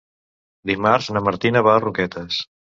Dimarts na Martina va a Roquetes.